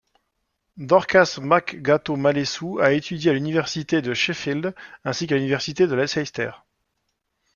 Dorcas Makgato-Malesu a étudié à l'Université de Sheffield ainsi qu'à l'Université de Leicester.